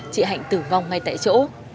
chị hạnh tử vong ngay tại chỗ